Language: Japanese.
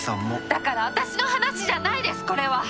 だから私の話じゃないですこれは。